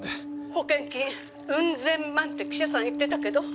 保険金ウン千万って記者さん言ってたけど？